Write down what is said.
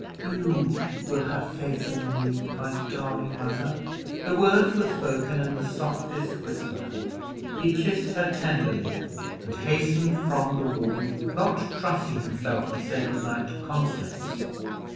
"You will have faith in me, my darling mother!" The words were spoken in the softest whisper. He kissed her tenderly, and hastened from the room, not trusting himself to say good night to Constance.